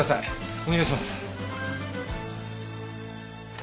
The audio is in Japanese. お願いします。